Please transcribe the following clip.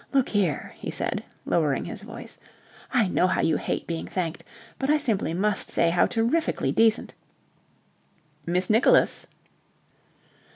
Look here," he said lowering his voice, "I know how you hate being thanked, but I simply must say how terrifically decent..." "Miss Nicholas."